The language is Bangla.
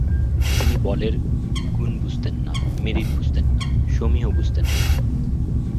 তিনি বলের গুণ বুঝতেন না, মেরিট বুঝতেন না, সমীহ বুঝতেন না।